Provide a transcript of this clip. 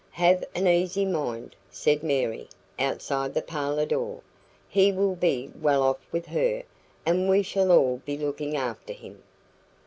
"Have an easy mind," said Mary, outside the parlour door. "He will be well off with her, and we shall all be looking after him."